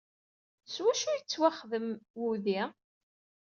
S wacu ay d-yettwaxdem wudi?